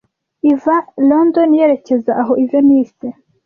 iva London yerekeza aho Venise